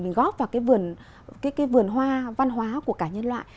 mình góp vào cái vườn hoa văn hóa của cả nhân loại